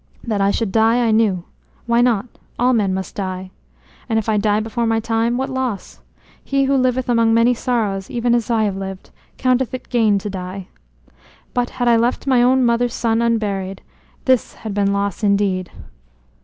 That I should die I knew. Why not? All men must die. And if I die before my time, what loss? He who liveth among many sorrows even as I have lived, counteth it gain to die. But had I left my own mother's son unburied, this had been loss indeed."